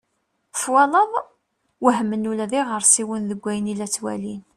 Twalaḍ! Wehmen ula d iɣersiwen deg wayen i la ttwalin.